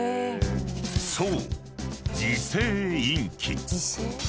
［そう］